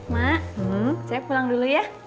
mak saya pulang dulu ya